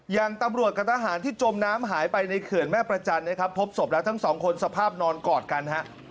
อย่างตำรวจกับทหารที่จมน้ำหายไปในเขื่อนแม่ประจันทร์นะครับพบศพแล้วทั้งสองคนสภาพนอนกอดกันฮะ